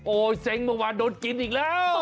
โอ๊ยเซงเบ็บวันโดนกินอีกแล้ว